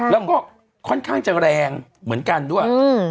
แล้วก็ค่อนข้างจะแรงเหมือนกันด้วย